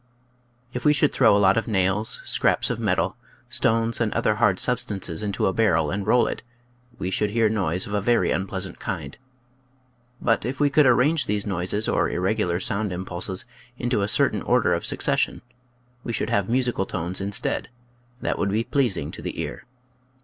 If we should throw a lot of nails, scraps of metal, stones, and other hard substances into a barrel and roll it, we should hear noise of a very unpleasant kind. But if we could ar range these noises or irregular sound impulses into a certain order of succession, we should have musical tones instead, that would be pleasing to the ear.